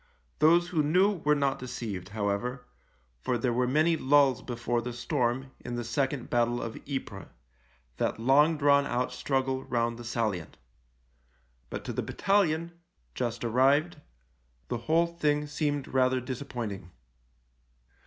Those who knew were not deceived, however, for there were many lulls before the storm in the second battle of Ypres — that long drawn out struggle round the salient. But to the battalion — just arrived — the whole thing seemed rather disappoint ing.